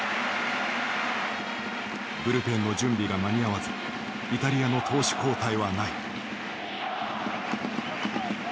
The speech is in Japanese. ブルペンの準備が間に合わずイタリアの投手交代はない。